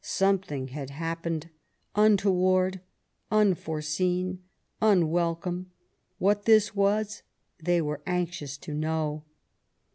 Something had happened, untoward, unforeseen, unwelcome; what this was, they were anxious to know.